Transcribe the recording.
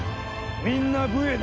みんな武衛だ。